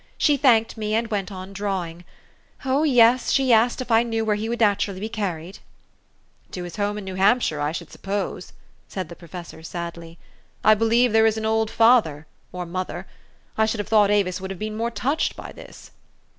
She thanked me, and went on drawing. Oh, yes ! she asked if I knew where he would naturally be carried." u To his home in New Hampshire, I should sup pose," said the professor sadly. "I believe there is an old father or mother. I should have thought Avis would have been more touched by this."